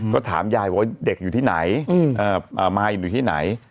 ก็ถามยายบอกว่าเด็กอยู่ที่ไหนมายอยู่ที่ไหน